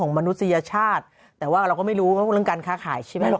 มนุษยชาติแต่ว่าเราก็ไม่รู้เรื่องการค้าขายใช่ไหม